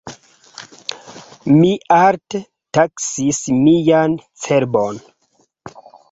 Mi alte taksis mian cerbon.